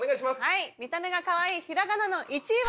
はい見た目がかわいいひらがなの１位は？